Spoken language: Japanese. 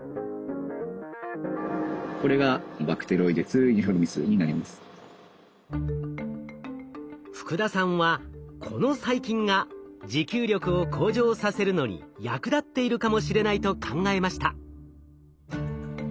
これが福田さんはこの細菌が持久力を向上させるのに役立っているかもしれないと考えました。